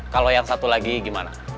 kalau yang satu lagi gimana